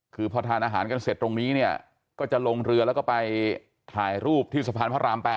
คือพอทานอาหารกันเสร็จตรงนี้เนี่ยก็จะลงเรือแล้วก็ไปถ่ายรูปที่สะพานพระราม๘